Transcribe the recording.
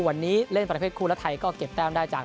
วันนี้เล่นประเภทคู่แล้วไทยก็เก็บแต้มได้จาก